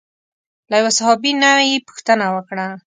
له یوه صحابي نه یې پوښتنه وکړه.